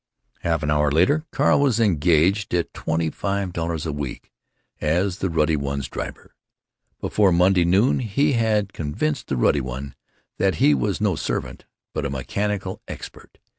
" Half an hour later Carl was engaged at twenty five dollars a week as the Ruddy One's driver. Before Monday noon he had convinced the Ruddy One that he was no servant, but a mechanical expert.